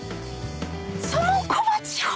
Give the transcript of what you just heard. その小鉢を！